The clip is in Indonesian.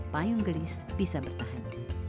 payung gelis bisa bertahan